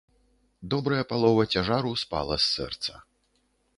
Добрая палова цяжару спала з сэрца.